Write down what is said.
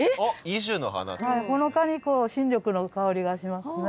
ほのかに新緑の香りがしますね。